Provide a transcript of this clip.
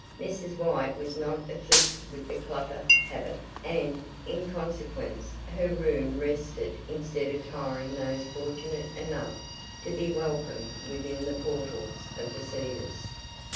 Mrs. White was not afflicted with the "clutter" habit, and, in consequence, her room rested instead of tiring those fortunate enough to be welcomed within the portals of The Cedars.